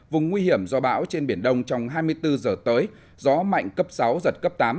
vùng nguy hiểm do bão trên biển đông trong hai mươi bốn giờ tới gió mạnh cấp sáu giật cấp tám